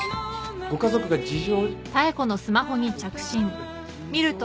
ご家族が事情。